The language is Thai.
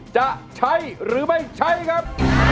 จะใช้หรือไม่ใช้ครับ